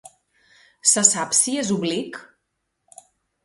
Se sap si és oblic?